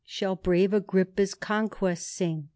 Shall brave Agrippa's conquests sing.